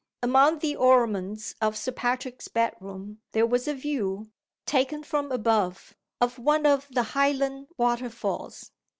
Among the ornaments of Sir Patrick's bed room there was a view (taken from above) of one of the Highland waterfalls.